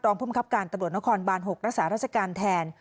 ภูมิครับการตำรวจนครบาน๖รักษาราชการแทน